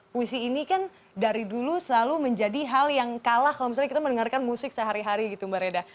puisi ini kan dari dulu selalu menjadi hal yang kalah kalau misalnya kita mendengarkan musik sehari hari gitu mbak reda